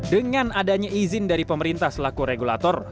dengan adanya izin dari pemerintah selaku regulator